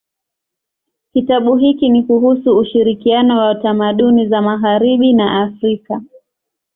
Kitabu hiki ni kuhusu ushirikiano wa tamaduni za magharibi na Afrika.